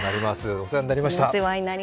お世話になりました